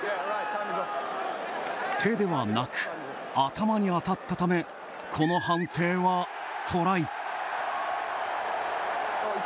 手ではなく頭に当たったためこの判定はトライ。